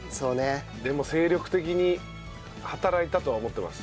でも精力的に働いたとは思ってます。